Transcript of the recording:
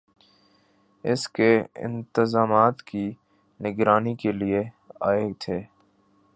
اس کے انتظامات کی نگرانی کیلئے آئے تھے